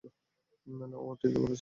না, ও ঠিকই বলেছে।